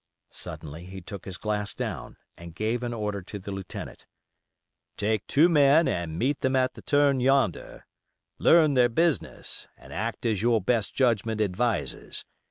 Suddenly he took his glass down, and gave an order to the lieutenant: "Take two men and meet them at the turn yonder; learn their business; and act as your best judgment advises.